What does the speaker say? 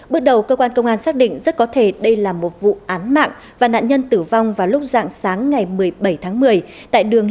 bước đầu cơ quan công an tp hcm xác định rất có thể đây là một vụ án mạng và nạn nhân tử vong vào lúc dạng sáng ngày một mươi bảy tháng một mươi